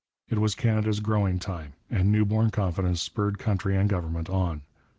It was Canada's growing time, and new born confidence spurred country and government on.